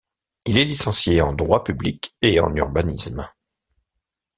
Il est licencié en droit public et en urbanisme.